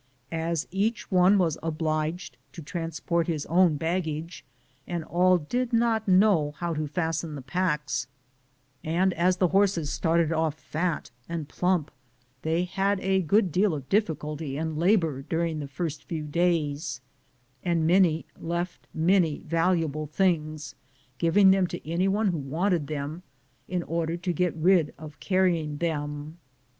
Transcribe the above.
As each one was obliged to transport his own baggage and all did not know how to fasten the packs, and as the horses started off fat and plump, they had a good deal of difficulty and labor during the first few days, and many left many valuable things, giving them to anyone who wanted them, in order to get rid of carrying them.